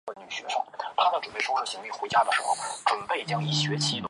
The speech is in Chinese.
联邦快递广场是一座位于美国田纳西州曼菲斯的一座室内体育馆。